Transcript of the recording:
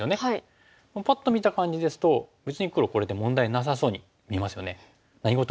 パッと見た感じですと別に黒これで問題なさそうに見えますよね。